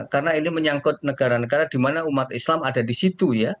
karena ini menyangkut negara negara di mana umat islam ada di situ ya